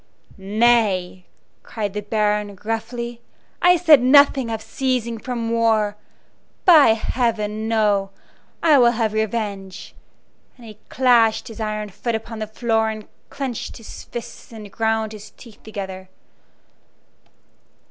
"Nay," cried the Baron, roughly, "I said nothing of ceasing from war. By heaven, no! I will have revenge!" And he clashed his iron foot upon the floor and clinched his fists and ground his teeth together.